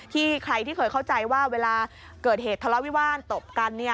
ใครที่เคยเข้าใจว่าเวลาเกิดเหตุทะเลาะวิวาลตบกัน